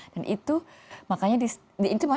dan itu makanya masuk di indonesia ya